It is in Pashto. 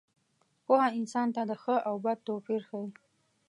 پوهه انسان ته د ښه او بد توپیر ښيي.